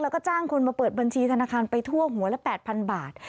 แล้วก็จ้างคนมาเปิดบัญชีธนาคารไปทั่วหัวละ๘๐๐๐บาท